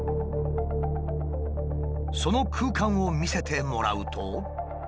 その空間を見せてもらうと。